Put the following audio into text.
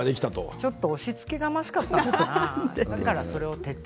ちょっと押しつけがましかったのかな？